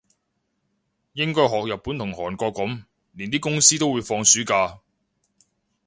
應該學日本同韓國噉，連啲公司都會放暑假